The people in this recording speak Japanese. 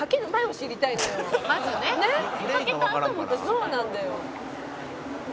「そうなんだよ」